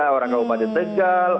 ada orang kabupaten tegal